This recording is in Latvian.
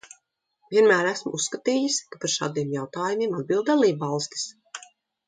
Vienmēr esmu uzskatījis, ka par šādiem jautājumiem atbild dalībvalstis.